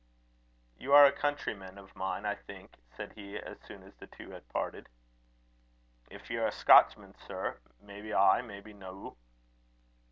"You are a countryman of mine, I think," said he, as soon as the two had parted. "If ye're a Scotchman, sir may be ay, may be no."